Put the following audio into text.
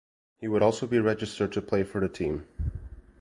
He would also be registered to play for the team.